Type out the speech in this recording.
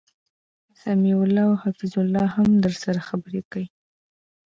سمیع الله او حفیظ الله هم درسره خبرکی